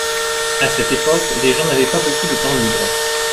À cette époque, les gens n’avaient pas beaucoup de temps libre.